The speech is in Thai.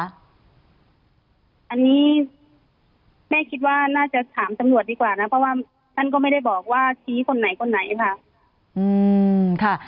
อันนี้แม่คิดว่าน่าจะถามตำรวจดีกว่านะเพราะว่าท่านก็ไม่ได้บอกว่าชี้คนไหนคนไหนค่ะ